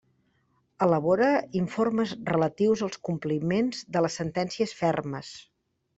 Elabora informes relatius als compliments de les sentències fermes.